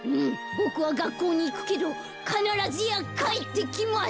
ボクはがっこうにいくけどかならずやかえってきます！